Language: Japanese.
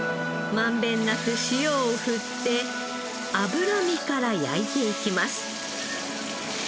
まんべんなく塩を振って脂身から焼いていきます。